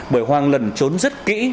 bởi hoàng lần trốn rất kỹ